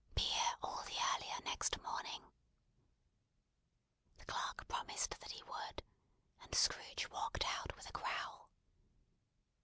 Be here all the earlier next morning." The clerk promised that he would; and Scrooge walked out with a growl.